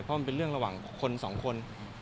เพราะมันเป็นเรื่องระหว่างคนสองคน